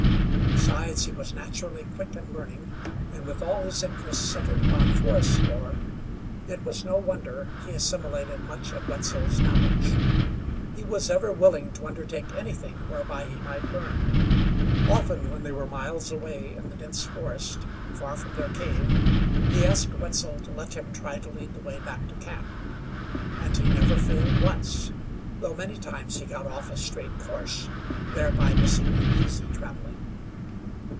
Besides, he was naturally quick in learning, and with all his interest centered upon forest lore, it was no wonder he assimilated much of Wetzel's knowledge. He was ever willing to undertake anything whereby he might learn. Often when they were miles away in the dense forest, far from their cave, he asked Wetzel to let him try to lead the way back to camp. And he never failed once, though many times he got off a straight course, thereby missing the easy travelling.